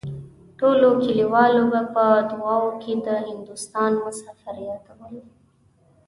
ټولو کليوالو به په دعاوو کې د هندوستان مسافر يادول.